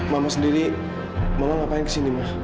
mama sendiri malah ngapain kesini ma